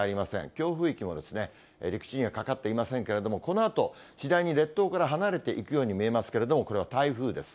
強風域も陸地にはかかっていませんけれども、このあと、次第に列島から離れていくように見えますけれども、これは台風です。